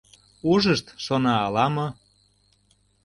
Ужышт, шона ала-мо?